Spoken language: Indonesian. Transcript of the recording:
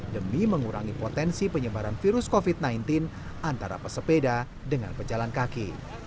demi mengurangi potensi penyebaran virus covid sembilan belas antara pesepeda dengan pejalan kaki